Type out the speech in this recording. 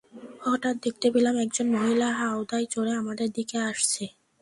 হঠাৎ দেখতে পেলাম, একজন মহিলা হাওদায় চড়ে আমাদের দিকে আসছে।